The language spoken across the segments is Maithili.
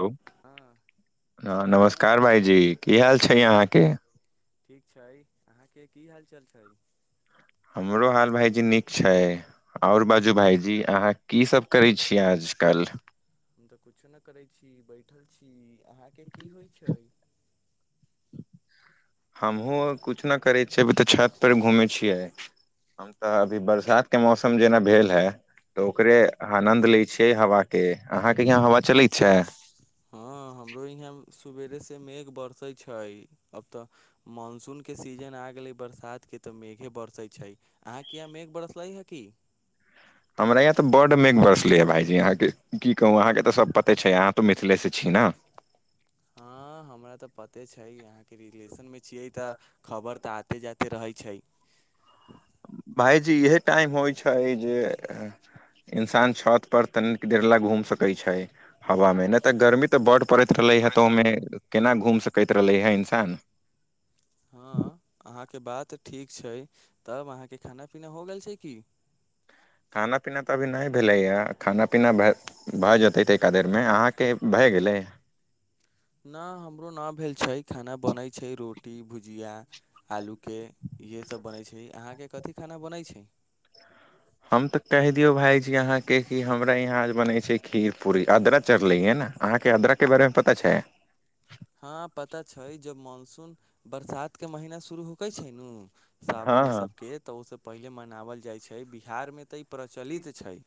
लो हाँ हाँ नमस्कार भाईजी की हाल छै अहाँके ठीक छै अहाँ के की हाल चाल छै हमरो हाल भाईजी नीक छै ओर बाजू भाईजी अहाँ कीसब करै छियै आज कल हम तऽ कुछो नहि करैत छी बैठल छी अहाँके की होइ छै हमहूँ कुछ नहि करै छियै अभी तऽ छतपर घूमै छियै हम तऽ अभी बरसात के मौसम जेना भेल है तऽ ओकरे आनन्द लैइ छियै हवा के अहाँके यहाँ हवा चलै छै हाँ हमरो यहाँ सुवेरेसे मेघ बरसै छै अब तऽ मानसून के सीजन आ गेलै बरसात के तऽ मेघे बरसे छै अहाँ किया मेघ बरसलै हए की हमरा यहाँ तऽ बड मेघ बरसलैए भाईजी अहाँके की कहू अहाँके तऽ सब पते छै अहाँ तऽ मिथिले से छी ने हाँ हमरा तऽ पते छै आहाँ के रिलेशन मे छियै तऽ खबर तऽ आते जाते रहै छै भाईजी इएहे टाइम होइ छै जे इंसान छत पर तनी देर ला घूम सकै छै हवा में नहि तऽ गर्मी तऽ बड पड़ैत रहले ह तऽ ओमे केना घूम सकैत रहले हे इंसान हाँ अहाँके बात ठीक छै तब अहाँके खाना पीना हो गेल छै की खाना पीना तऽ अभी नइ भेलैए खाना पीना भए भऽ जेतै तएका देरमे अहाँके भए गेलै ना हमरो नहि भेल छै खाना बनैत छै रोटी भुजिया आलूके इहे सब बनै छै अहाँके कथी खाना बनै छै हम तऽ कहि दियो भाईजी अहाँ के क हमरा यहाँ बनेै छै खीर पूरी अदरा चढ़लेे हैने अहाँके आद्रक बारेमे पता छै हाँ पता छै जब मानसून बरसात के महीना शुरू होके छै नू हँ सावन ई हँ सबके तऽ ओहिसँ पहिले मनावल जाइ छै बिहारमे तऽ ई प्रचलित छै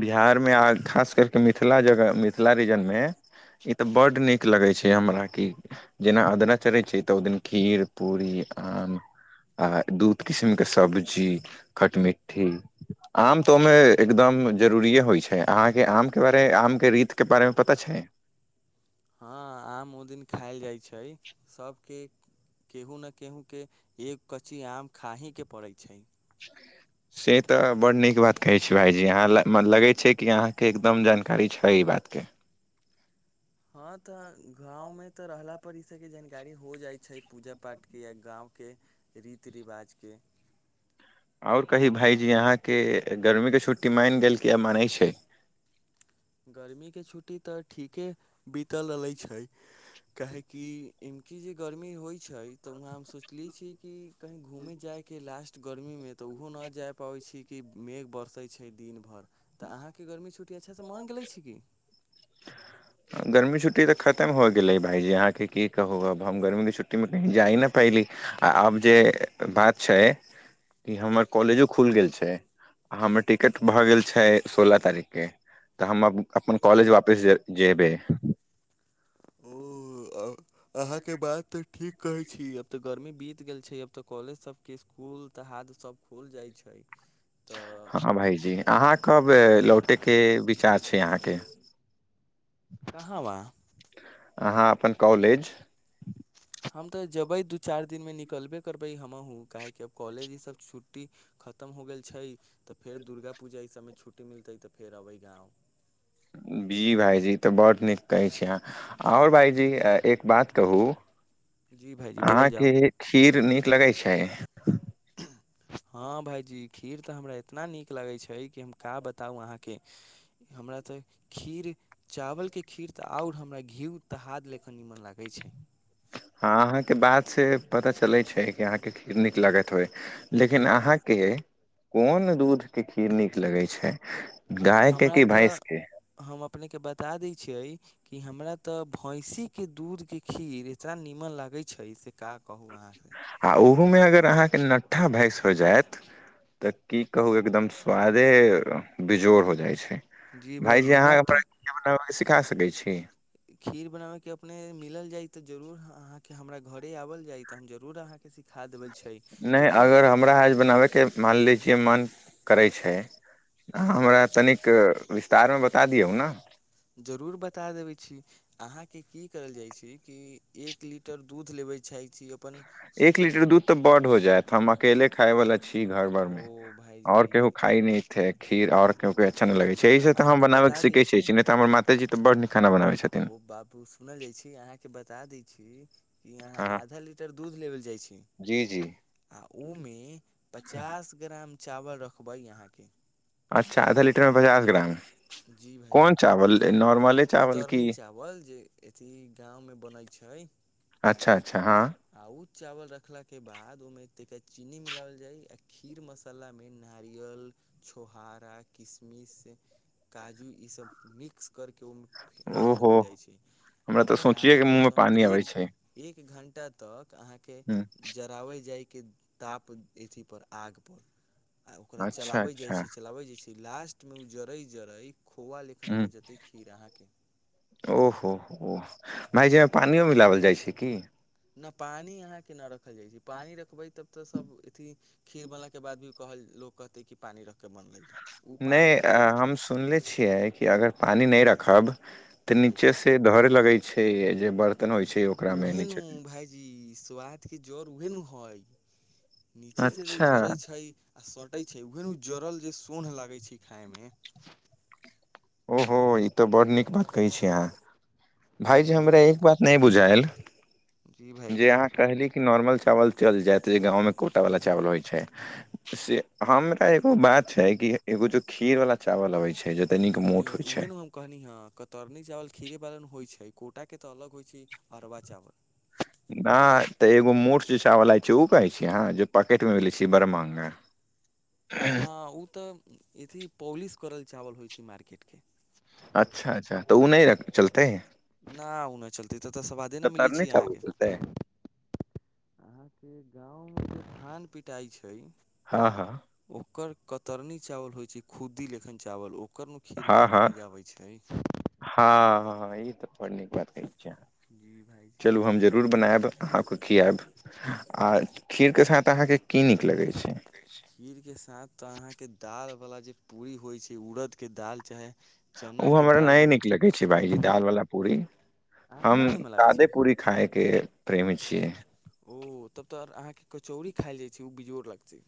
बिहारमे आ खास करि कऽ मिथिला जगह मिथिला रीजन मे ई तऽ बड नीक लगै छै हमरा की जेना अदरा चढ़ै छै तऽ ओहि दिन खीर पूरी आहाँ आ दू किस्मि के सब्जी खटमिट्ठी आम तोमे एकदम जरूरिए होइ छै अहाँके आमके बारे आमके रीतके बारेमे पता छै हँ आम ओदिन खायल जाइ छै सबके केहू न केहूके एक कच्ची आम खाहीके पड़ै छै [inaudible] से तऽ बड नीक बात कहै छै भाइजी अहाँ लगैत छै कि अहाँके एकदम जानकारी छै ई बातके हँ तऽ गाँवमे तऽ रहला पर ईसभके जानकारी हो जाइ छै पूजा पाठके या गाँवके रीति रिवाज के आओर कही भायजी अहाँके गर्मीके छुट्टी मानि गेल कि आ मानै छै गर्मीके छुट्टी तऽ ठीके बीतल रहलै छै काहेकि एनकी जे गर्मी होइ छै तऽ वहाँ हम सोचली छी की कही घूमे जाय के लास्ट गर्मी में त उहो न जाय पाबे छै कि मेघ बरसे छै दिन भरि तऽ अहाँके गर्मी छुट्टी अच्छा सँ मान गेलै छै की [inaudible] गर्मी छुट्टी तऽ खतम हो गेले भाईजी अहाँके की कहू अब हम गर्मी के छुट्टी मे कही जाही ना पइली आ आब जे बात छै कि हमर कॉलेजो खुलि गेल छै आ हमर टिकट भऽ गेल छै सोलह तारीखके तऽ हम अपन कॉलेज वापिस जेबै ओ अहाँके बात तऽ ठीक कहै छी अब ते गर्मी बीत गेल छै अब त कॉलेज सब के स्कूल तहाद सब खुल जाय छै [inaudible] हँ भाईजी अहाँ कब लौटेके विचार छै अहाँके कहवा अहाँ अपन कॉलेज हम तऽ जैबै दू चारि दिनमे निकलबे करबै हमहूँ काहेकि आब कॉलेज ईसभ छुट्टी खतम हो गेल छै तऽ फेर दुर्गा पूजा ई सभमे छुट्टी मिलतै तऽ फेर अबै गाँव जी भाईजी तऽ बड़ नीक कहै छी अहाँ आओर भाइजी एक बात कहू जी भाइजी बोलल अहाँके जाउ खीर नीक लगै छै हँ भायजी खीर तऽ हमरा इतना नीक लगै छै कि हम का बताउ अहाँके हमरा तऽ खीर चावलके खीर तऽ आओर हमरा घीउ तहाद लेखन निमन लागै छै हँ अहाँके बात से पता चलै छै कि अहाँके खीर नीक लगैत होय लेकिन अहाँ के कोन दूध के खीर नीक लगै छै गायके हमरा कि तऽ भैंसके हम अपनेके बता दै छियै कि हमरा तऽ भैंसी के दूध के खीर इतना नीमन लागै छै से का कहू अहाँके आ उहोमे अगर अहाँके नठ्ठा भैंस हो जायत तऽ की कहू एकदम स्वादे बेजोड़ हो जाइ छै जी भायजी भाइजी अहाँ हमरा नट्ठा के खीर बनाबे के सिखा सकै छी खीर बनाबय के अपने मिलल जाय तऽ जरूर अहाँके हमरा घरे आबल जाय तऽ हम जरूर अहाँके सिखा देबल नहि अगर हमरा आज बनाबयके मान ले छियै मन करै छै अहाँ हमरा तनिक विस्तार मे बता दियौ न जरूर बता देबै छी अहाँके की करल जाइ छै कि एक लीटर दूध लेबै छै छी अपन एक लीटर दूध तऽ बड्ड हो जायत हम अकेले खाय वला छी घर भर ओ मे भायजी आओर केहू खाइ नै खीर आओर केओ के अच्छा नहि लगै छै हँ एहिसँ तऽ हम अहाँके बनाबैके बता दै सीखैतै छी नहि तऽ हमर मात ता जीऽ तऽ बड़ निक खाना बनाबै छथि ओ बाबू सुनल जाइ छै अहाँके बता दै छी कि अहाँ हँ आधा लीटर दूध लेबल जाइ छी जी जी आ ओहिमे पचास ग्राम चावल रखबै अहाँके अच्छा आधा लीटरमे पचास ग्राम जी भाइजी कोन चावल नॉर्मले चावल की कतरनी चावल जे अथी गाँव मे बनैत छै अच्छा अच्छा हँ आ उ चावल रखला के बाद ओ मे त चीनी मिलावल जाय आ खीर मसाल मसालामे नारियल छोहारा किशमिश काजू ई सभ मिक्स करके ओ मे रख ओहो देबल जाइ छै हमरा आ तऽ ओकरा सोचिये के मुँह मे लमसम पानी अबै एक छै एक घण्टा तक अहाँके ह जराबै जाइके ताप एथी पर आग पर आ ओकरा अच्छा चलावे जाय अच्छा छै चलाबे जेय छै लास्ट मे उ जड़ै जरै खोआ लेखन ह हो जेतै खीर अहाँके ओहो हो भायजी ओमे पानियो मिलाओल जाइ छै की न पानी अहा के न रख रखल जाइ छै पानि रखबै तब तऽ सब अथी खीर बनला बाद भी कहल लोक कहते को पानि रखिकऽ बनलैऽ नहि हम सुनले छियै कि अगर पानी नहि रखब तऽ जी नीचे भाइजी से धर लगे छै जे बर्तन होइ छै ओकरा मे उहे नू नीचे से। भायजी स्वद के जर उहेनू हई नीचे से जे अच्छा झरे छै आ सटे छै उहेन जड़ल जे सोढ़ लागे छै खाय मे ओहो ई तऽ बड्ड नीक बात कहै छी अहाँ भायजी जी हमरा भाइजी एक बात नहि बुझायल जी जे भाइजी अहाँ कहली नॉर्मल चावल चल जायत जे गाँवमे कोटा वला चावल होइ छै से हमरा एगो बात छै कि एगो जो खीर वाला चावल अबै छै जे तनी जी उएह नु कहली हँ कतरनी चावल खीरे बालन होइ छै कोटाके तऽ अलग होइ छै अरबा चावल न तऽ एगो मोट जे चावला छै ओ कहे छी अहाँ जे पॉकेट मे मे छी बड़ मागा [inaudible] हँ ओ तऽ अथी पॉलिश करल चावल होइ छै मार्केट के अच्छा अच्छा त ओ नहि चलते नहि ओ नहि चलतै तऽ एतय सवादे ने मिलै कतरनी छै चावल अहाँके चलतै अहाँके गाँमे जे घान पिटाइ छै हँ हँ ओकर कतरनी चावल होइ छै खुद्दी लेखन चावल ओ ओकर नु खीर हँ खायके हँ मजा अबै छै हँ ई तऽ बड़ नीक बात कहै छियै जी अहाँ भाइजी चलू हम जरूर बनायब अहाँके खियाआब आ खीरके साथ अहाँके की नीक लगै छै खीर के साथ तऽ अहाँके दाल बला जे पूरी होइ छै उड़द के दाल चाहे ओ चनाके हमरा न दालमे के नीक लगे छै भाायजी पूरी दाल वालला पूरी अहाँके हम नहि नीमन लागै छै सादे पूरी खायके प्रेमी छियै ओ तब तऽ अहाँकेँ कचौड़ी खाय ले जाइ छै ओ बेजोड़ लगतै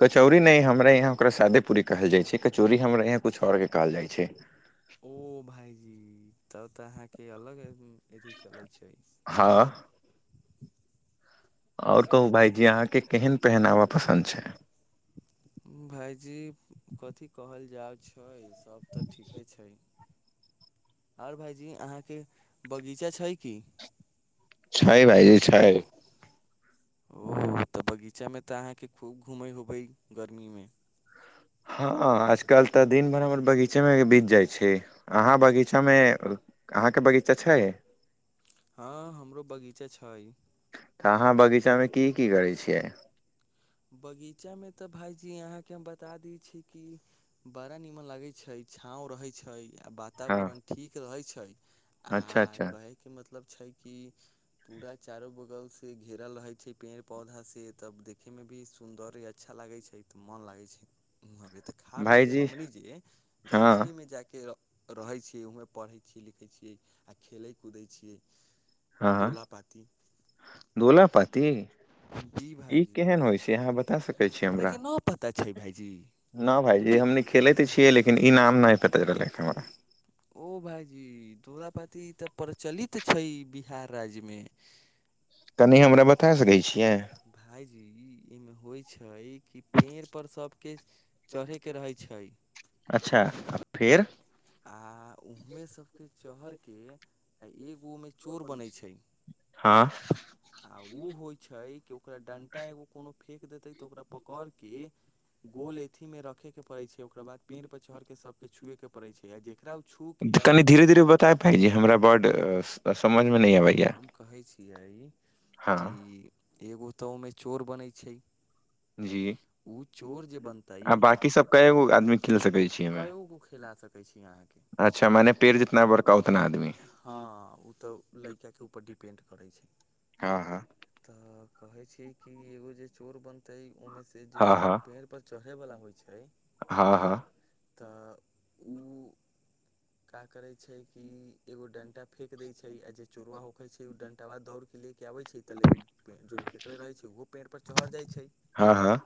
कचौड़ी नहि हमराे यहाँ ओकरा शादे पूरी कहल जाइ छै कचौरी हमरा यहाँ किछु आओरके कहल जाइ छै ओ भाइजी तब तऽ अहाँके अलग है अथी चलै छै हँ आओर तऽ कहू भाायजी अहाँके केहन पहनावा पसन्द छै भाईजी कथी कहल जाय छै सब तऽ ठीके छै आओर भाईजी अहाँके बगीचा छै की छै भाइजी छै ओ तऽ बगीचा मे तऽ अहाँके खूब घूमे होबे गर्मी मे हँ आजकल तऽ दिन भरि हमर बगीचेमे बीत जाइ छै अहाँ बगीचा मे अहाँ के बगीचा छै हँ हमरो बगीचा छै तऽ अहाँ बगीचा मे की की करैत छियै बगीचा में तऽ भायजी अहाँके हम बता दी छी कि बड़ा निमन लागै छै छाव रहे छै आ बात हँ वातावरण ठीक रहै छै आ अच्छा अच्छा कहैके मतलब छै कि पूरा चारो बगल से घेरल रहे छै पेड़ पौधा से तब देख देखैमे भी सुन्दर य अच्छा लागै छै तऽ मोन लागै छै ह अभी तऽ खा पी कऽ भाईजी हमनी जे हँ गाछिएमे जा कऽ र रहै छियै ओ पढ़ै छियै लिखै छियै आओ खेलै कुदै छियै हँ दोला पाती गलापाती जी ई भाइजी केहन होइ छै अहाँ बता सकै छी हमरा अपनेके न पता छै भाइजी न भाायजी हमनी खेलैत तऽ छियै लेकिन ईनाम नइ पता रहलै हमरा ओ भाइजी तोरा पाती तऽ प्रचलित छै ई बिहार राज्य मे कनि हमरा बतैय सकै छियै भायजी एहिमे होइ छै कि पेड़ पर सभके चढ़यके रहै छै अच्छा फेर आ उहमे सब के चहर के आ एगो ओह मे चोर बनै छै हँ आ उ होइ छै कि ओकरा डण्टा एगो कोनो फेक देतै तऽ ओकरा पकड़ केऽ गोल अथी मे रखे के पड़े छै ओकरा बाद पेड़ पर चहर के सबके छुए के कनि धीरे धीरे बताएब भाइजी हमरा बड जी भाइजी हम कहै छियै हँ की एगो तऽ ओह मे चोर बनै छै जी उ चोर जे बनतै ई आ बाँकी सभ कए गो आदमी खेल सकै छी एहिमे कएो गो खिला सकै छी अहाँके अच्छा मने पेड़ जितना बरका उतना आदमी हँ उऽ तऽ लइका के ऊपर डिपेन्ड करै छै हँ हँ तऽ कहे छी कि एगो जे चोर बन तै ओहि मे से जे हँ हँ पेड़ पर चढ़ैवला होइ छै हँ हँ तऽ उ का करै छैय कि एगो डंटा फेेक देय छै आ जे चोरवा होके छै उ डंटवा दौड़ के ले के आबे छै तले उ फेर जो फेर उहे रहै छै ओहो पेड़ पर चहर जाइ छै हँ हँ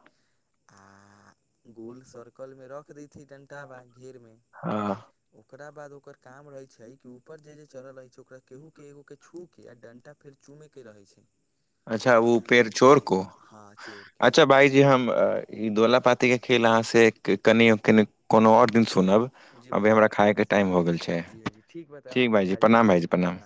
आ गोल सरकल मे रख दै छै डंटाबा घेर मे हँ ओकरा बाद ओकर काम रहै छै कि ऊपर जे जे चरहल रहै छै ओकरा केहू केहु के छू के आ डंटा फेर चूमे के रहै छै अच्छा उ पेड़ चोर को हँ चोर के अच्छा भाइजी भाईजी हम ई दोला पाती के खेल अहाँ से की कनि कनि कोनो आओर दिन सुनब जी अभी भाइजी हमरा खाय के टाइम हो गेल छै जी भाइजी बा तऽ ठीक अहाँके भाायजी खायल जाइ प्रणाम छै भाायजी प्रणाम